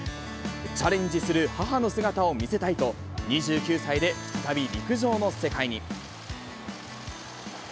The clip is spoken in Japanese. チャレンジする母の姿を見せたいと、２９歳で再び陸上の世界に。